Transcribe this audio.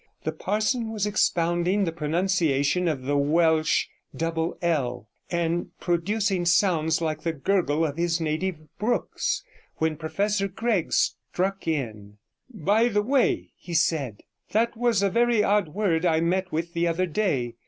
The parson was expounding the pronunciation of the Welsh //, and producing sounds like the gurgle of his native brooks, when Professor Gregg struck in. 'By the way,' he said, 'that was a very odd word I met with the other day.